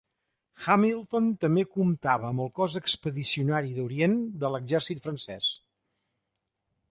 Hamilton també comptava amb el Cos Expedicionari d'Orient de l'exèrcit francès.